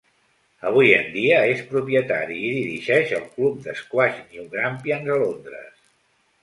Avui en dia, és propietari i dirigeix el club d'esquaix New Grampians a Londres.